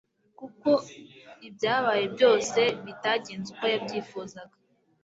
kuko ibyabaye byose bitagenze uko yabyifuzaga